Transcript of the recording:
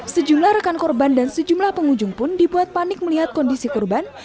sejumlah rekan korban dan sejumlah pengunjung pun dibuat panik melihat kondisi korban